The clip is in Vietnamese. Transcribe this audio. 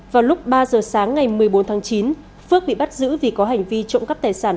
vào lúc ba giờ sáng ngày một mươi bốn tháng chín phước bị bắt giữ vì có hành vi trộm cắp tài sản